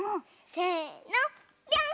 せのぴょん！